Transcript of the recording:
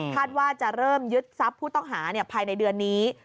ว่าจะเริ่มยึดทรัพย์ผู้ต้องหาภายในเดือนนี้